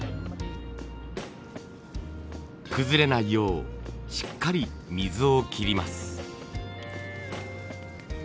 崩れないようしっかり水を切ります。